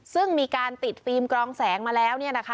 ซึ่งมีการติดฟิล์มกรองแสงมาแล้ว